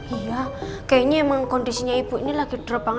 iya kayaknya emang kondisinya ibu ini lagi drop banget